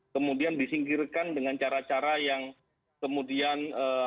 kemudian disingkirkan dengan cara cara yang kemudian